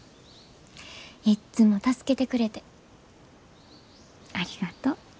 いっつも助けてくれてありがとう。